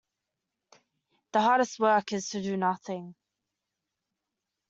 The hardest work is to do nothing.